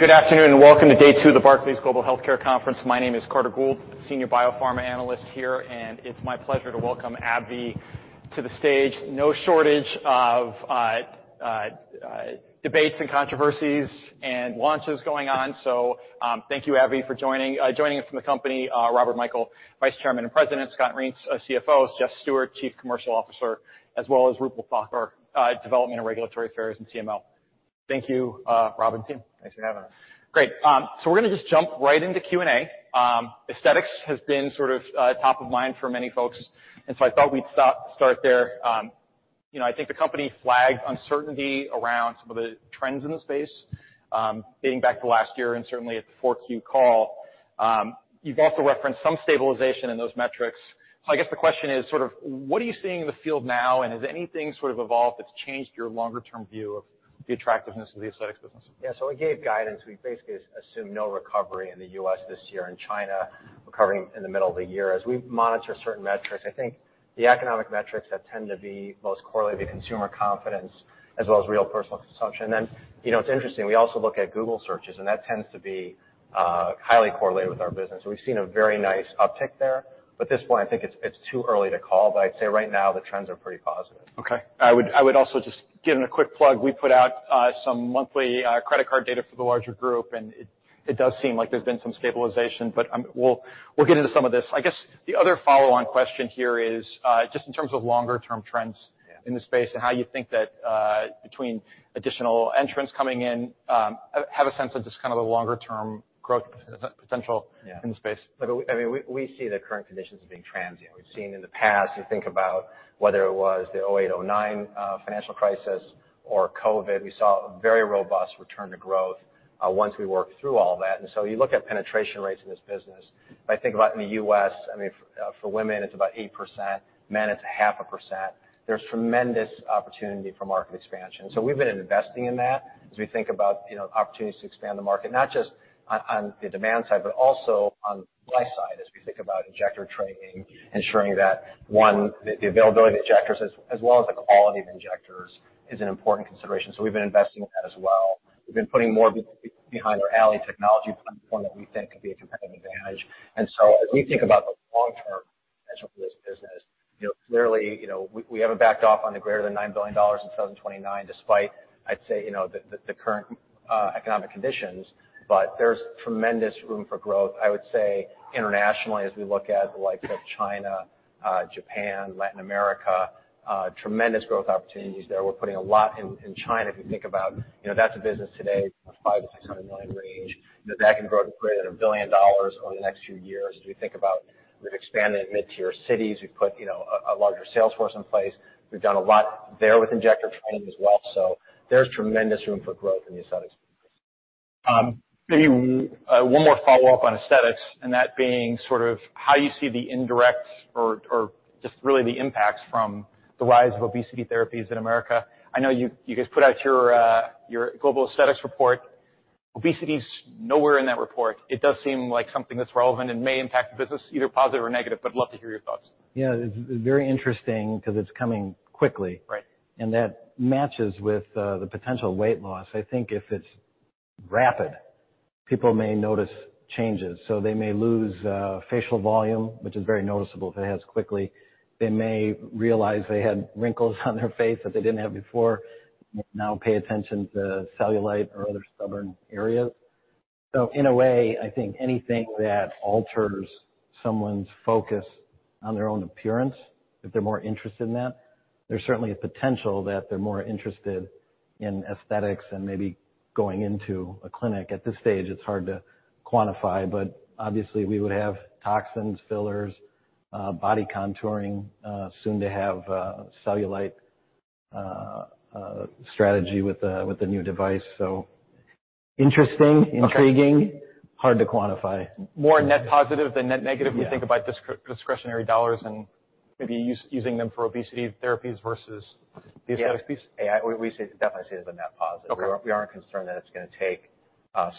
Good afternoon, welcome to day two of the Barclays Global Healthcare Conference. My name is Carter Gould, senior biopharma analyst here, and it's my pleasure to welcome AbbVie to the stage. No shortage of debates and controversies and launches going on. Thank you, AbbVie, for joining. Joining us from the company, Robert Michael, Vice Chairman and President, Scott Reents, CFO, Jeffrey R. Stewart, Chief Commercial Officer, as well as Roopal Thakkar, Development and Regulatory Affairs and CML. Thank you, Rob and team. Thanks for having us. Great. We're gonna just jump right into Q&A. Aesthetics has been sort of top of mind for many folks, I thought we'd start there. You know, I think the company flagged uncertainty around some of the trends in the space, dating back to last year, and certainly at the fourth Q call. You've also referenced some stabilization in those metrics. I guess the question is sort of what are you seeing in the field now, and has anything sort of evolved that's changed your longer-term view of the attractiveness of the aesthetics business? We gave guidance. We basically assumed no recovery in the U.S. this year. In China, recovering in the middle of the year. As we monitor certain metrics, I think the economic metrics that tend to be most correlated to consumer confidence as well as real personal consumption. You know, it's interesting, we also look at Google searches, and that tends to be highly correlated with our business. We've seen a very nice uptick there. At this point, I think it's too early to call, but I'd say right now the trends are pretty positive. Okay. I would also just give it a quick plug. We put out some monthly credit card data for the larger group, and it does seem like there's been some stabilization, but we'll get into some of this. I guess the other follow-on question here is just in terms of longer term trends... Yeah. in the space and how you think that, between additional entrants coming in, have a sense of just kind of the longer term growth potential. Yeah. in the space. I mean, we see the current conditions as being transient. We've seen in the past, you think about whether it was the 2008, 2009 financial crisis or COVID. We saw a very robust return to growth once we worked through all that. You look at penetration rates in this business. If I think about in the U.S., I mean, for women, it's about 8%, men, it's 0.5%. There's tremendous opportunity for market expansion. We've been investing in that as we think about, you know, opportunities to expand the market, not just on the demand side, but also on the supply side as we think about injector training, ensuring that, one, the availability of the injectors as well as the quality of injectors is an important consideration. We've been investing in that as well. We've been putting more behind our Alley technology platform that we think can be a competitive advantage. As we think about the long-term potential for this business, you know, clearly, we haven't backed off on the greater than $9 billion in 2029, despite, I'd say, you know, the current economic conditions. There's tremendous room for growth. I would say internationally, as we look at the likes of China, Japan, Latin America, tremendous growth opportunities there. We're putting a lot in China. If you think about, you know, that's a business today of $500 million-$600 million range. You know, that can grow to greater than $1 billion over the next few years as we think about we've expanded mid-tier cities. We've put, you know, a larger sales force in place. We've done a lot there with injector training as well. There's tremendous room for growth in the aesthetics. Maybe one more follow-up on aesthetics, and that being sort of how you see the indirect or just really the impacts from the rise of obesity therapies in America? I know you guys put out your global aesthetics report. Obesity's nowhere in that report. It does seem like something that's relevant and may impact the business, either positive or negative, but I'd love to hear your thoughts. Yeah, it's very interesting because it's coming quickly. Right. That matches with the potential weight loss. I think if it's rapid, people may notice changes. They may lose facial volume, which is very noticeable if it happens quickly. They may realize they had wrinkles on their face that they didn't have before, now pay attention to cellulite or other stubborn areas. In a way, I think anything that alters someone's focus on their own appearance, if they're more interested in that, there's certainly a potential that they're more interested in aesthetics, and maybe going into a clinic. At this stage, it's hard to quantify, but obviously, we would have toxins, fillers, body contouring, soon to have a cellulite strategy with the new device. Interesting... Okay. intriguing, hard to quantify. More net positive than net negative. Yeah. we think about discretionary dollars and maybe using them for obesity therapies versus the aesthetics piece. Yeah. We definitely see it as a net positive. Okay. We aren't concerned that it's gonna take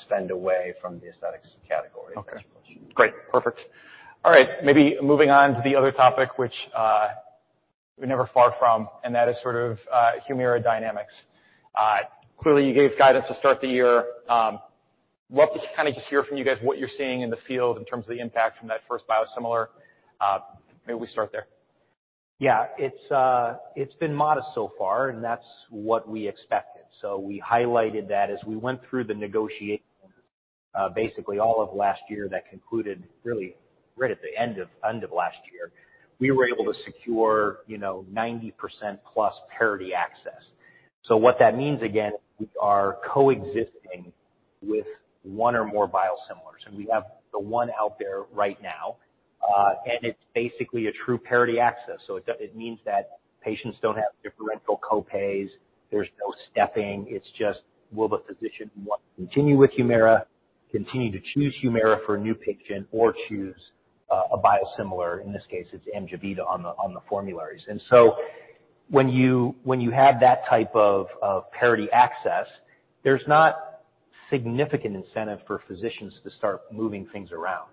spend away from the aesthetics category at this point. Okay. Great. Perfect. All right. Maybe moving on to the other topic, which we're never far from, and that is sort of HUMIRA dynamics. Clearly, you gave guidance to start the year. What we kinda just hear from you guys, what you're seeing in the field in terms of the impact from that first biosimilar? Maybe we start there? Yeah. It's been modest so far, and that's what we expected. We highlighted that as we went through the negotiation, basically all of last year that concluded really right at the end of last year. We were able to secure, you know, 90% plus parity access. What that means, again, we are coexisting with one or more biosimilars, and we have the one out there right now. And it's basically a true parity access. It means that patients don't have differential copays. There's no stepping. It's just, will the physician want to continue with HUMIRA, continue to choose HUMIRA for a new patient or choose a biosimilar? In this case, it's AMJEVITA on the formularies. When you, when you have that type of parity access, there's not... Significant incentive for physicians to start moving things around.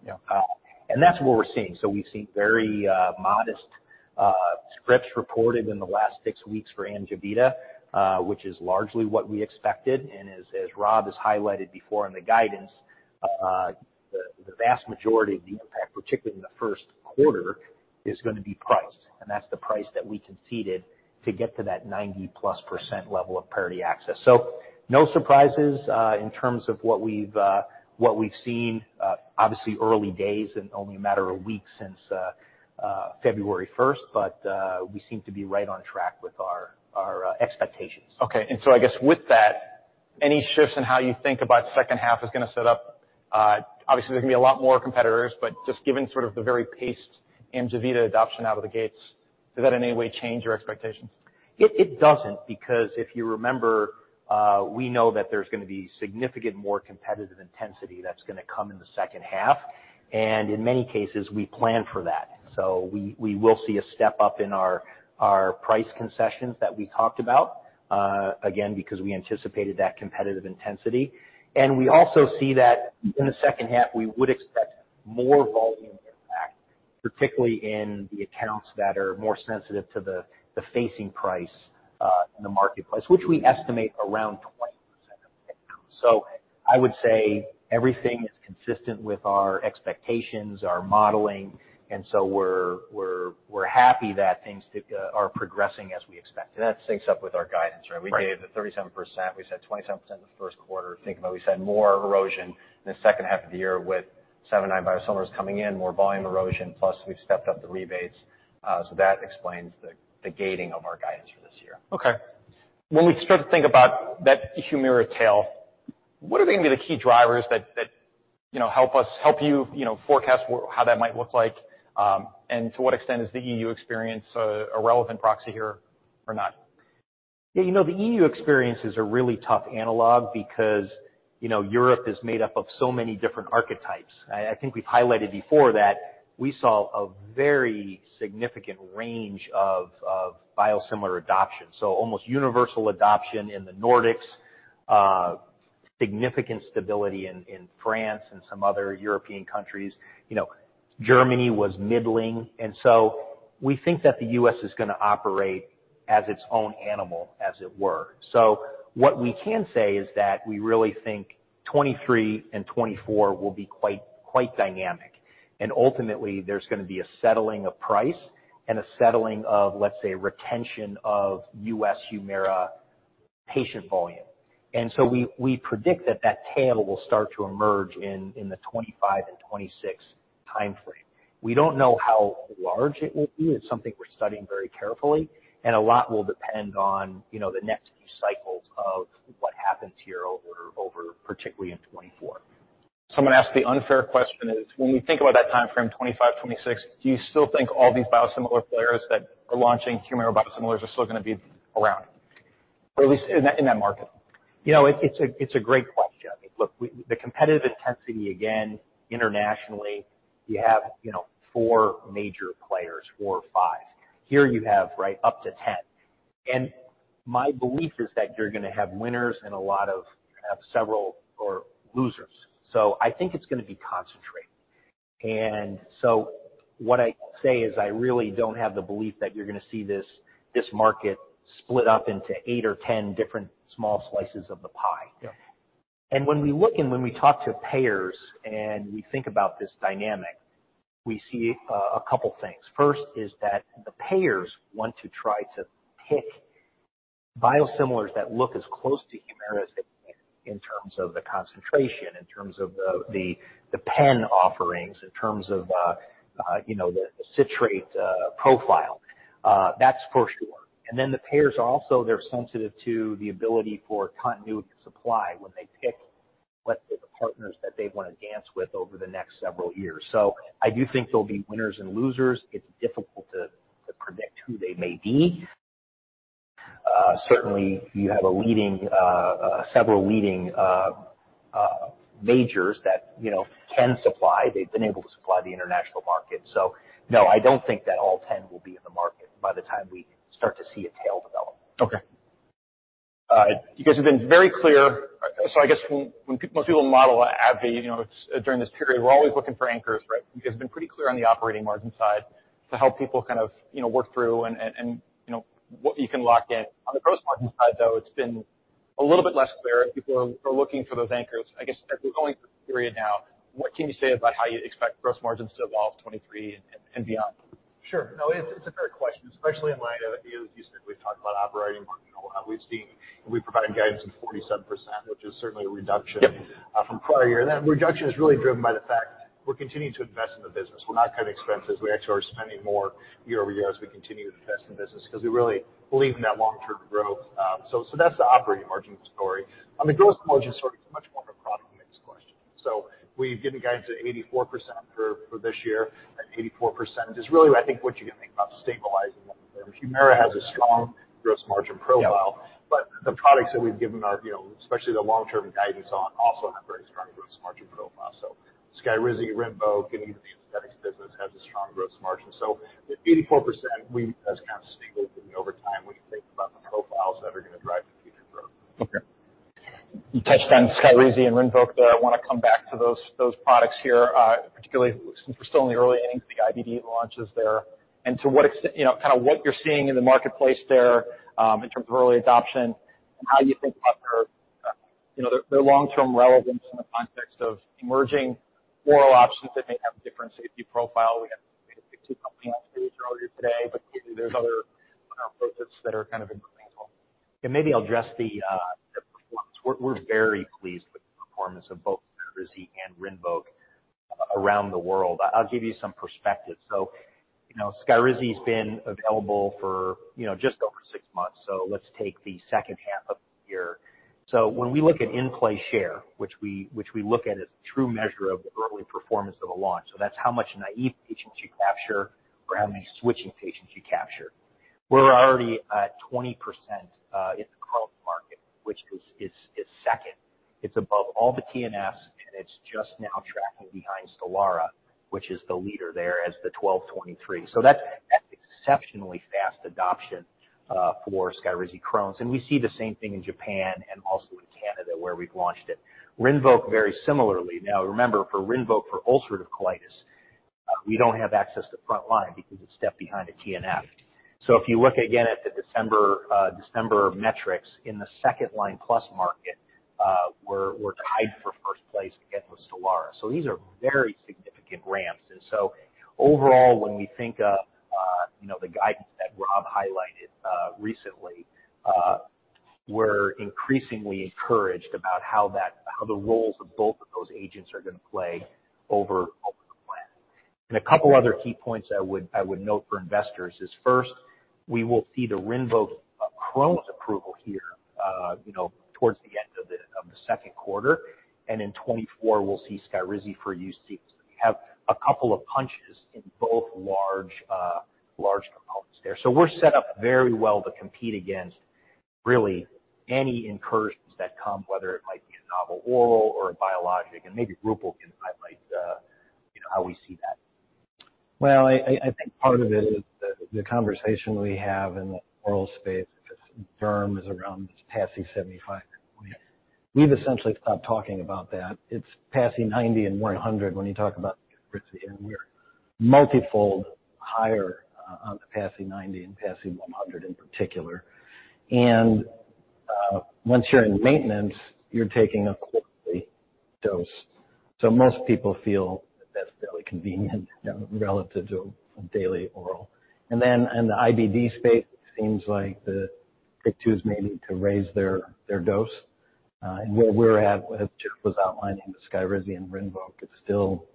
Yeah. That's what we're seeing. We've seen very modest scripts reported in the last six weeks for AMJEVITA, which is largely what we expected. As Rob has highlighted before in the guidance, the vast majority of the impact, particularly in the first quarter, is gonna be price, and that's the price that we conceded to get to that 90-plus % level of parity access. No surprises in terms of what we've seen, obviously early days and only a matter of weeks since February first, but we seem to be right on track with our expectations. Okay. I guess with that, any shifts in how you think about second half is gonna set up? obviously, there's gonna be a lot more competitors, but just given sort of the very paced Angivita adoption out of the gates, does that in any way change your expectations? It doesn't because if you remember, we know that there's gonna be significant more competitive intensity that's gonna come in the second half, and in many cases, we plan for that. We will see a step up in our price concessions that we talked about, again, because we anticipated that competitive intensity. We also see that in the second half, we would expect more volume impact, particularly in the accounts that are more sensitive to the facing price in the marketplace, which we estimate around 20% of accounts. I would say everything is consistent with our expectations, our modeling, and so we're happy that things are progressing as we expected. That syncs up with our guidance, right? Right. We gave the 37%. We said 27% in the 1st quarter, thinking about we said more erosion in the second half of the year with 7-9 biosimilars coming in, more volume erosion, plus we've stepped up the rebates. That explains the gating of our guidance for this year. Okay. When we start to think about that HUMIRA tail, what are gonna be the key drivers that, you know, help us, help you know, forecast how that might look like? To what extent is the EU experience irrelevant proxy here or not? You know, the EU experience is a really tough analog because, you know, Europe is made up of so many different archetypes. I think we've highlighted before that we saw a very significant range of biosimilar adoption. Almost universal adoption in the Nordics, significant stability in France, and some other European countries. You know, Germany was middling, we think that the U.S. is gonna operate as its own animal, as it were. What we can say is that we really think 23 and 24 will be quite dynamic. Ultimately, there's gonna be a settling of price and a settling of, let's say, retention of U.S. HUMIRA patient volume. We predict that that tail will start to emerge in the 25 and 26 timeframe. We don't know how large it will be. It's something we're studying very carefully, and a lot will depend on, you know, the next few cycles of what happens here over particularly in 2024. I'm gonna ask the unfair question is, when you think about that timeframe, 2025, 2026, do you still think all these biosimilar players that are launching HUMIRA biosimilars are still gonna be around, or at least in that, in that market? You know, it's a great question. Look, the competitive intensity, again, internationally, you have, you know, four major players, four or five. Here you have, right, up to 10. My belief is that you're gonna have winners and a lot of, have several or losers. I think it's gonna be concentrated. What I say is I really don't have the belief that you're gonna see this market split up into 8 or 10 different small slices of the pie. Yeah. When we look and when we talk to payers, and we think about this dynamic, we see a couple things. First is that the payers want to try to pick biosimilars that look as close to HUMIRA as they can in terms of the concentration, in terms of the pen offerings, in terms of, you know, the citrate profile. That's for sure. Then the payers also, they're sensitive to the ability for continuity of supply when they pick, let's say, the partners that they want to dance with over the next several years. I do think there'll be winners and losers. It's difficult to predict who they may be. Certainly you have a leading, several leading majors that you know, can supply. They've been able to supply the international market. No, I don't think that all 10 will be in the market by the time we start to see a tail develop. You guys have been very clear. I guess when most people model AbbVie, you know, during this period, we're always looking for anchors, right? You guys have been pretty clear on the operating margin side to help people kind of, you know, work through and, you know, what you can lock in. On the gross margin side, though, it's been a little bit less clear. People are looking for those anchors. I guess, as we're going through the period now, what can you say about how you expect gross margins to evolve 2023 and beyond? Sure. No, it's a fair question, especially in light of, you know, as you said, we've talked about operating margin a lot. We've provided guidance of 47%, which is certainly a reduction. Yeah. from prior year. That reduction is really driven by the fact we're continuing to invest in the business. We're not cutting expenses. We actually are spending more year-over-year as we continue to invest in the business because we really believe in that long-term growth. That's the operating margin story. On the gross margin story, it's much more of a product mix question. We've given guidance of 84% for this year, and 84% is really, I think, what you can think about stabilizing at. HUMIRA has a strong gross margin profile. Yeah. The products that we've given our, you know, especially the long-term guidance on also have growth. SKYRIZI, RINVOQ, any of the aesthetics business has a strong gross margin. At 84%, that's kind of stable for me over time when you think about the profiles that are gonna drive the future growth. You touched on SKYRIZI and RINVOQ there. I wanna come back to those products here, particularly since we're still in the early innings of the IBD launches there. To what you know, kind of what you're seeing in the marketplace there, in terms of early adoption and how you think about their long-term relevance in the context of emerging oral options that may have a different safety profile? We had two companies on stage earlier today, but maybe there's other approaches that are kind of in the wings. Maybe I'll address the performance. We're very pleased with the performance of both SKYRIZI and RINVOQ around the world. I'll give you some perspective. You know, SKYRIZI been available for, you know, just over 6 months, so let's take the second half of the year. When we look at in-play share, which we look at as a true measure of early performance of a launch, so that's how much naive patients you capture or how many switching patients you capture. We're already at 20% in the Crohn's market, which is second. It's above all the TNFs, and it's just now tracking behind STELARA, which is the leader there as the 12/23. That's exceptionally fast adoption for SKYRIZI Crohn's. We see the same thing in Japan and also in Canada where we've launched it. Rinvoq very similarly. Remember, for Rinvoq, for ulcerative colitis, we don't have access to front line because it's stepped behind a TNF. If you look again at the December metrics in the second-line-plus market, we're tied for first place again with Stelara. These are very significant ramps. Overall, when we think of, you know, the guidance that Rob highlighted, recently, we're increasingly encouraged about how the roles of both of those agents are gonna play over the plan. A couple other key points I would note for investors is first, we will see the Rinvoq Crohn's approval here, you know, towards the end of the second quarter. In 2024, we'll see SKYRIZI for UC. We have a couple of punches in both large components there. We're set up very well to compete against really any incursions that come, whether it might be a novel oral or a biologic. Maybe Roopal can highlight, you know, how we see that. Well, I think part of it is the conversation we have in the oral space, because Derm is around this PASI 75 point. We've essentially stopped talking about that. It's PASI 90 and PASI 100 when you talk about SKYRIZI, and we're multi-fold higher on the PASI 90 and PASI 100 in particular. Once you're in maintenance, you're taking a quarterly dose. Most people feel that that's fairly convenient relative to a daily oral. In the IBD space, it seems like the TYK2s may need to raise their dose. Where we're at, as Jeff was outlining, the SKYRIZI and RINVOQ, it's still...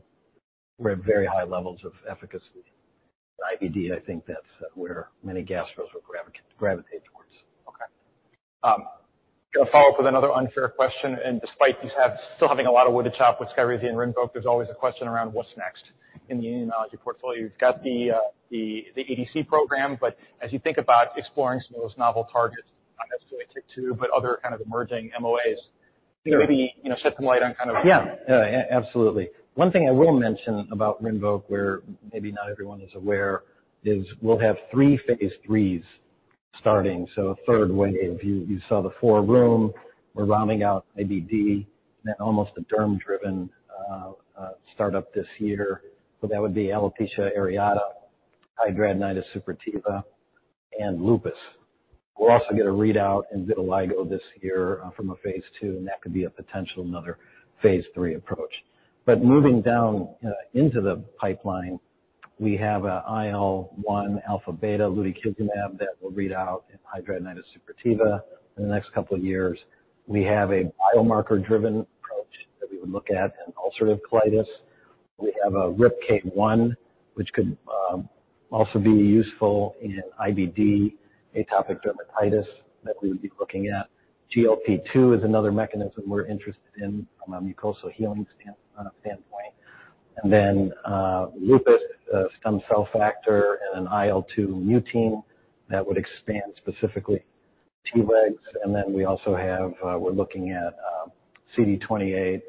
We're at very high levels of efficacy. In IBD, I think that's where many gastros will gravitate towards. Okay. gonna follow up with another unfair question. Despite still having a lot of wood to chop with SKYRIZI and RINVOQ, there's always a question around what's next in the immunology portfolio. You've got the ADC program, but as you think about exploring some of those novel targets, not necessarily TYK2, but other kind of emerging MOAs. Sure. Maybe, you know, shed some light on. Yeah. Absolutely. One thing I will mention about RINVOQ, where maybe not everyone is aware, is we'll have three phase IIIs starting, a third wave. You saw the four rheum. We're rounding out IBD and then almost a derm-driven startup this year. That would be alopecia areata, hidradenitis suppurativa, and lupus. We'll also get a readout in vitiligo this year from a phase II, and that could be a potential another phase III approach. Moving down into the pipeline, we have a IL-1α/1β lutikizumab that will read out in hidradenitis suppurativa in the next couple of years. We have a biomarker-driven approach that we would look at in ulcerative colitis. We have a RIPK1, which could also be useful in IBD atopic dermatitis that we would be looking at. GLP-2 is another mechanism we're interested in from a mucosal healing standpoint. lupus, stem cell factor and an IL-2 mutein that would expand specifically Tregs. we also have, we're looking at, CD28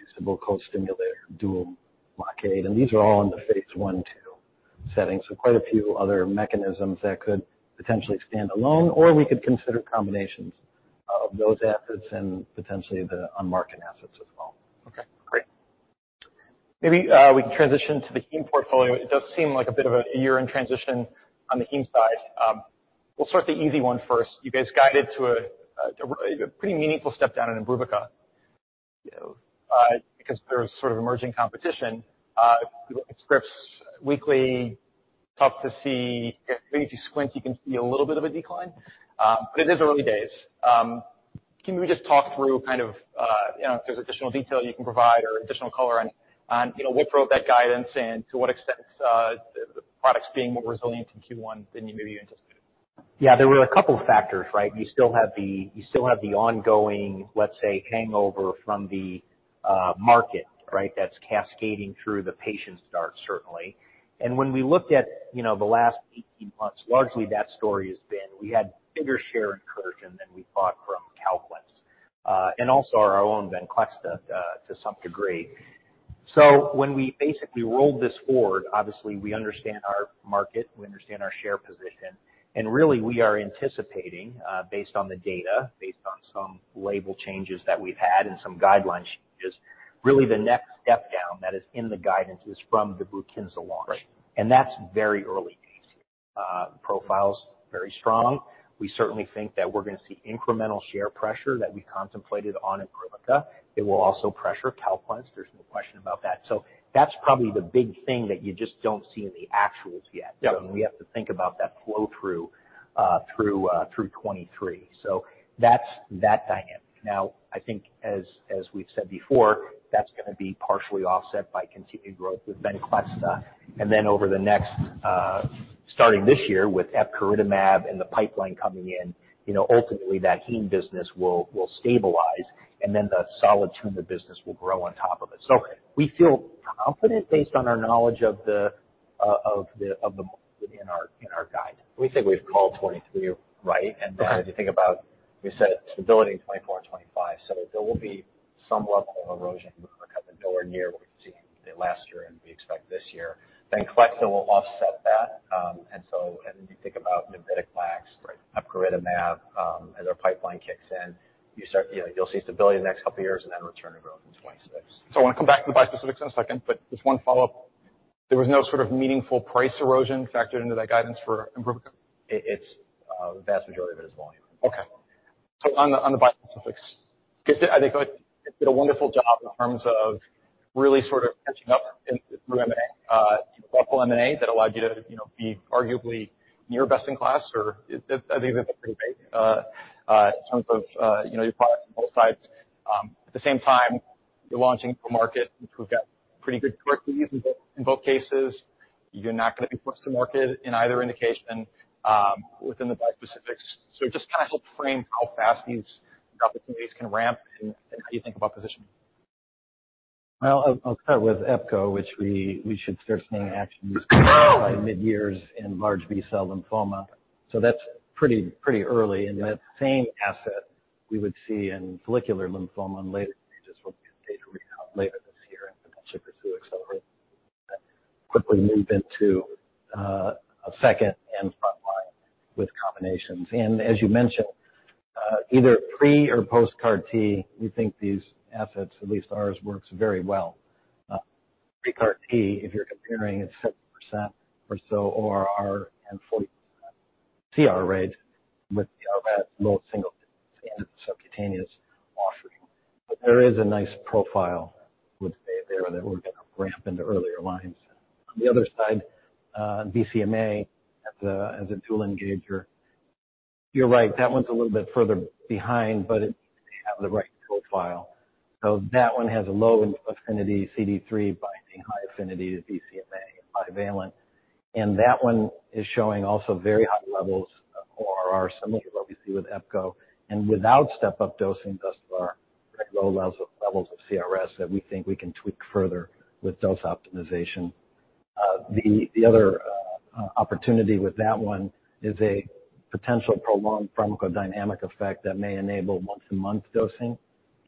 inducible co-stimulator dual blockade. These are all in the phase I, II settings. Quite a few other mechanisms that could potentially stand alone or we could consider combinations of those assets and potentially the on-market assets as well. Okay, great. Maybe we can transition to the heme portfolio. It does seem like a bit of a year in transition on the heme side. We'll start the easy one first. You guys guided to a pretty meaningful step down in Enbrel because there's sort of emerging competition. If you look at scripts weekly, tough to see. If maybe if you squint, you can see a little bit of a decline. It is early days. Can you just talk through kind of, you know, if there's additional detail you can provide or additional color on, you know, what drove that guidance and to what extent the product's being more resilient in Q1 than you maybe anticipated? Yeah. There were a couple factors, right? You still have the ongoing, let's say, hangover from the market, right? That's cascading through the patient starts, certainly. When we looked at, you know, the last. 18 months, largely that story has been we had bigger share in KERGEN than we thought from Calquence, and also our own VENCLEXTA, to some degree. When we basically rolled this forward, obviously we understand our market, we understand our share position. Really we are anticipating, based on the data, based on some label changes that we've had and some guidelines changes, really the next step down that is in the guidance is from the Brukinsa launch. Right. That's very early days here. Profile's very strong. We certainly think that we're gonna see incremental share pressure that we contemplated on IMBRUVICA. It will also pressure Calquence, there's no question about that. That's probably the big thing that you just don't see in the actuals yet. Yeah. We have to think about that flow-through, through 2023. That's that dynamic. I think as we've said before, that's gonna be partially offset by continued growth with Venclexta. Over the next, starting this year with EPKINLY and the pipeline coming in, you know, ultimately that heme business will stabilize, and then the solid tumor business will grow on top of it. We feel confident based on our knowledge of the in our guidance. We think we've called 2023 right. Right. If you think about, we said stability in 2024 and 2025. There will be some level of erosion in IMBRUVICA, the door year what we've seen last year and we expect this year. VENCLEXTA will offset that. And so, and you think about VENCLEXTA- Right. EPKINLY, as our pipeline kicks in, you start, you know, you'll see stability the next couple of years and then return to growth in 2026. I wanna come back to the bispecifics in a second, but just one follow-up. There was no sort of meaningful price erosion factored into that guidance for IMBRUVICA? It's, the vast majority of it is volume. Okay. On the bispecifics, I guess, I think you did a wonderful job in terms of really sort of catching up in through M&A. Multiple M&A that allowed you to, you know, be arguably near best in class or I think that's a pretty big in terms of, you know, your products on both sides. At the same time, you're launching for market, which we've got pretty good in both cases. You're not gonna be first to market in either indication within the bispecifics. Just kinda help frame how fast these opportunities can ramp, and how you think about positioning. I'll start with EPKINLY, which we should start seeing action by mid-years in large B-cell lymphoma. That's pretty early. In that same asset, we would see in follicular lymphoma in later stages, we'll be a data read out later this year, then potentially pursue acceleration. Quickly move into a second and frontline with combinations. As you mentioned, either pre or post-CAR T, we think these assets, at least ours, works very well. Pre-CAR T, if you're comparing a 70% or so ORR and 40% CR rate with the ARV at low single agent subcutaneous offering. There is a nice profile with bi- there that we're gonna ramp into earlier lines. On the other side, BCMA as a dual engager, you're right, that one's a little bit further behind, but it seems to have the right profile. That one has a low affinity CD3 binding, high affinity to BCMA and bivalent. That one is showing also very high levels of ORR, similar to what we see with EPKINLY. Without step-up dosing, thus far, very low levels of CRS that we think we can tweak further with dose optimization. The other opportunity with that one is a potential prolonged pharmacodynamic effect that may enable once-a-month dosing,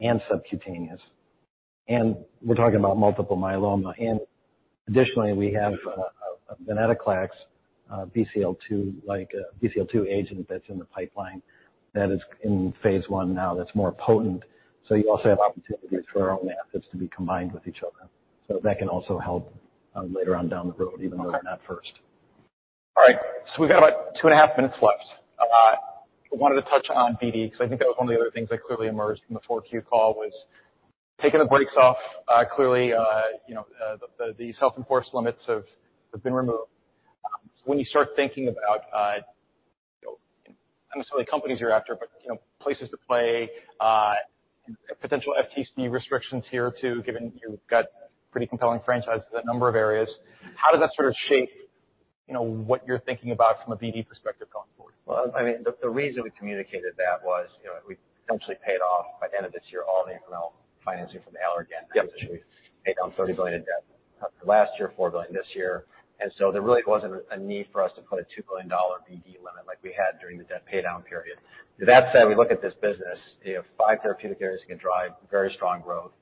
and subcutaneous. We're talking about multiple myeloma. Additionally, we have VENCLEXTA, BCL-2, like a BCL-2 agent that's in the pipeline that is in phase I now that's more potent. You also have opportunities for our own methods to be combined with each other. That can also help later on down the road, even though they're not first. All right. We've got about two and a half minutes left. I wanted to touch on BD, because I think that was one of the other things that clearly emerged from the 4Q call was taking the brakes off. Clearly, you know, the self-enforced limits have been removed. When you start thinking about, you know, not necessarily companies you're after, but, you know, places to play, potential FTC restrictions here too, given you've got pretty compelling franchises in a number of areas. How does that sort of shape, you know, what you're thinking about from a BD perspective going forward? Well, I mean, the reason we communicated that was, you know, we potentially paid off by the end of this year all the M&A financing from the Allergan acquisition. Yep. We paid down $30 billion in debt last year, $4 billion this year. There really wasn't a need for us to put a $2 billion BD limit like we had during the debt pay down period. That said, we look at this business, you know, five therapeutic areas can drive very strong growth.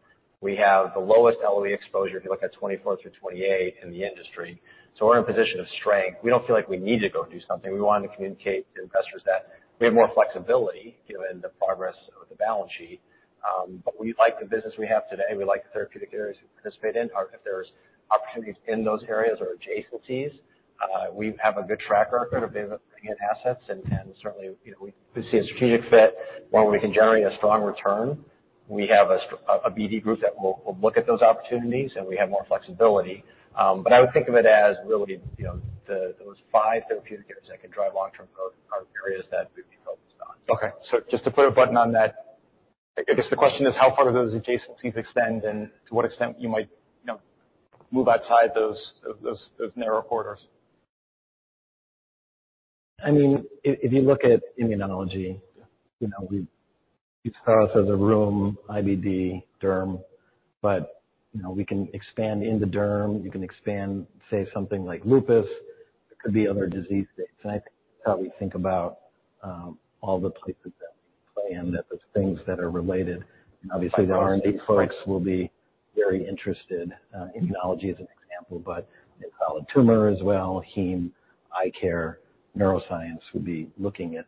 We have the lowest LOE exposure, if you look at 2024 through 2028 in the industry. We're in a position of strength. We don't feel like we need to go do something. We wanted to communicate to investors that we have more flexibility, you know, in the progress of the balance sheet. We like the business we have today. We like the therapeutic areas we participate in. If there's opportunities in those areas or adjacencies, we have a good track record of bringing in assets. Certainly, you know, we, if we see a strategic fit where we can generate a strong return, we have a BD group that will look at those opportunities and we have more flexibility. I would think of it as really, you know, the, those five therapeutic areas that could drive long-term growth are areas that we'd be focused on. Okay. Just to put a button on that, I guess the question is how far do those adjacencies extend, and to what extent you might, you know, move outside those narrow quarters? I mean, if you look at immunology, you know, you'd start off as a rheum IBD derm, but, you know, we can expand into derm, you can expand, say something like lupus. There could be other disease states. I think that's how we think about all the places that we play, and that the things that are related. Obviously, the R&D folks will be very interested, immunology as an example, but oncology tumor as well, heme, eye care, neuroscience would be looking at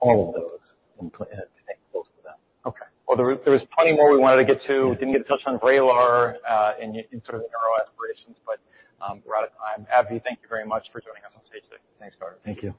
all of those ,and potentials for them. Okay. Well, there was plenty more we wanted to get to. Didn't get to touch on VRAYLAR, and sort of the neuro aspirations. We're out of time. AbbVie, thank you very much for joining us on Stage 6. Thanks, Carter. Thank you.